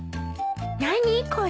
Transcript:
何これ？